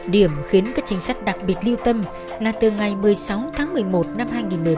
điểm khiến các chính sách đặc biệt lưu tâm là từ ngày một mươi sáu tháng một mươi một năm hai nghìn một mươi bảy